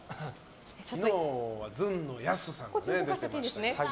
昨日は、ずんのやすさんが出てました。